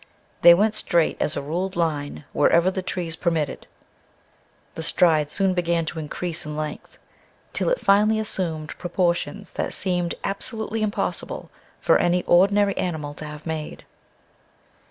They went straight as a ruled line wherever the trees permitted. The stride soon began to increase in length, till it finally assumed proportions that seemed absolutely impossible for any ordinary animal to have made.